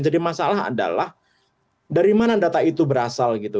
jadi masalah adalah dari mana data itu berasal gitu